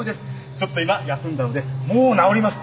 ちょっと今休んだのでもう治ります。